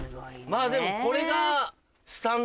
まぁでもこれが。